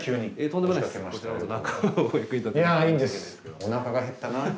おなかが減ったなあって。